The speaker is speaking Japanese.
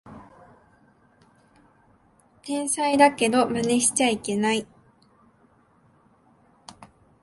天才だけどマネしちゃいけない